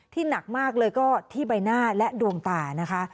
หนักมากเลยก็ที่ใบหน้าและดวงตานะคะ